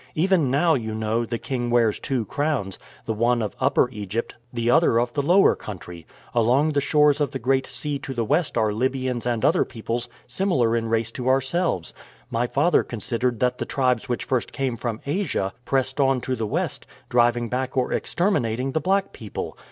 Even now, you know, the king wears two crowns the one of Upper Egypt, the other of the lower country. Along the shores of the Great Sea to the west are Libyans and other peoples similar in race to ourselves. My father considered that the tribes which first came from Asia pressed on to the west, driving back or exterminating the black people.